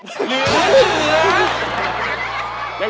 เหลือ